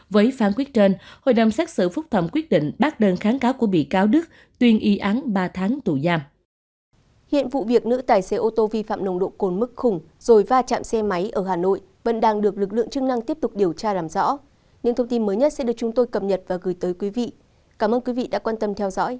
với phán quyết trên hội đồng xét xử phúc thẩm quyết định bác đơn kháng cáo của bị cáo đức tuyên y án ba tháng tù giam